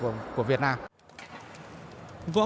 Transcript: võ cổ truyền việt nam gắn liền với